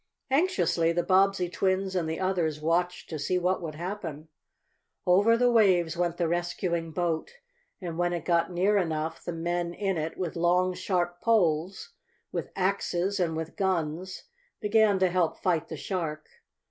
Anxiously the Bobbsey twins and the others watched to see what would happen. Over the waves went the rescuing boat, and when it got near enough the men in it, with long, sharp poles, with axes and with guns, began to help fight the shark.